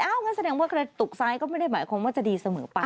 งั้นแสดงว่ากระตุกซ้ายก็ไม่ได้หมายความว่าจะดีเสมอไป